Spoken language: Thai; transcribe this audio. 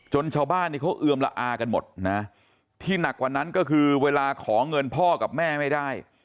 ชาวบ้านนี่เขาเอือมละอากันหมดนะที่หนักกว่านั้นก็คือเวลาขอเงินพ่อกับแม่ไม่ได้